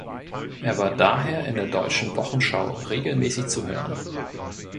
Er war daher in der "Deutschen Wochenschau" regelmäßig zu hören.